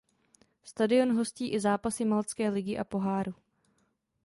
Stadion hostí i zápasy maltské ligy a poháru.